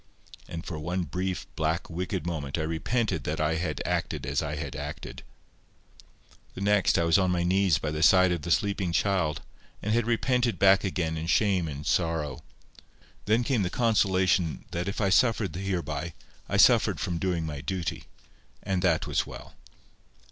And for one brief, black, wicked moment I repented that I had acted as I had acted. The next I was on my knees by the side of the sleeping child, and had repented back again in shame and sorrow. Then came the consolation that if I suffered hereby, I suffered from doing my duty. And that was well.